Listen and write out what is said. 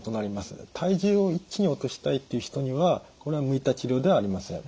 体重を一気に落としたいっていう人にはこれは向いた治療ではありません。